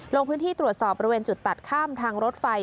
ลงพื้นที่ตรวจสอบบริเวณจุดตัดข้ามทางรถไฟ